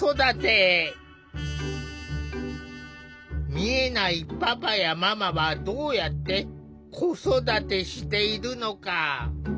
見えないパパやママはどうやって子育てしているのか。